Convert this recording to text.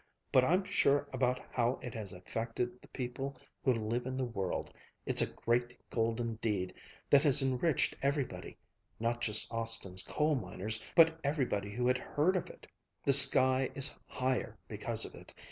But I'm sure about how it has affected the people who live in the world it's a great golden deed that has enriched everybody not just Austin's coal miners, but everybody who had heard of it. The sky is higher because of it.